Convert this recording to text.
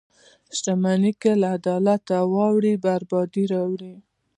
• شتمني که له عدالته واوړي، بربادي راوړي.